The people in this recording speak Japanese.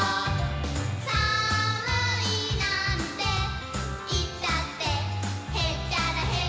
「さむいなぁんていったってへっちゃらへっちゃら」